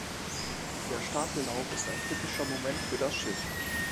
Der Stapellauf ist ein kritischer Moment für das Schiff.